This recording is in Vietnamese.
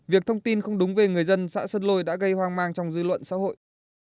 việc thông tin không đúng về người dân xã sơn lôi đã gây hoang mang trong dư luận xã hội